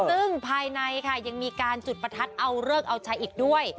ซึ่งภายในค่ะยังมีการจุดประทัดเอาเลิกเอาใช้อีกด้วย